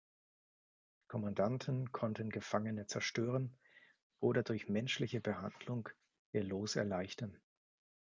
Kommandanten konnten Gefangene zerstören oder durch menschliche Behandlung ihr Los erleichtern.